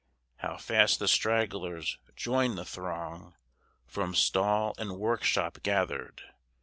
How fast the stragglers join the throng, From stall and workshop gathered!